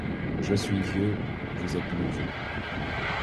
Je suis vieux, vous êtes nouveau.